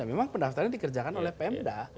memang pendaftaran dikerjakan oleh pemda